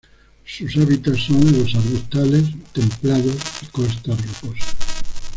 Sus hábitats son los arbustales templados y costas rocosas.